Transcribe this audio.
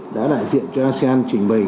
đã đại diện cho asean chính quyền